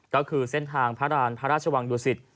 ก็คือเส้นทางพระราณพระราชวังดุสิต